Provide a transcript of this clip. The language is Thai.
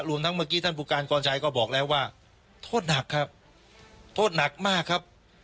รวมทั้งเมื่อกี้ท่านผู้การกรชัยก็บอกแล้วว่าโทษหนักครับโทษหนักมากครับ